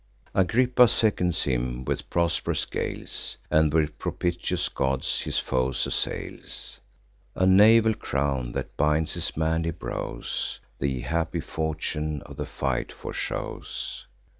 Agrippa seconds him, with prosp'rous gales, And, with propitious gods, his foes assails: A naval crown, that binds his manly brows, The happy fortune of the fight foreshows.